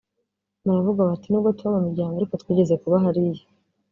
baravuga bati ‘nubwo tuba mu miryango ariko twigeze kuba hariya